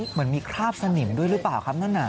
เหมือนมีคราบสนิมด้วยหรือเปล่าครับนั่นน่ะ